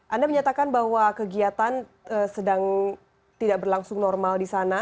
anda menyatakan bahwa kegiatan sedang tidak berlangsung normal di sana